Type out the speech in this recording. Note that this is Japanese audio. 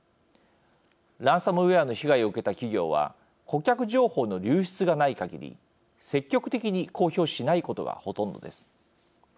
ランサムウェアの被害を受けた企業は顧客情報の流出がないかぎり積極的に公表しないことがほとんどです。